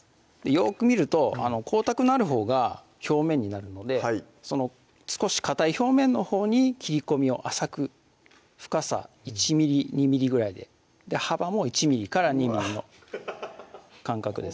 よく見ると光沢のあるほうが表面になるので少しかたい表面のほうに切り込みを浅く深さ１ｍｍ・２ｍｍぐらいで幅も１ｍｍから２ｍｍの間隔です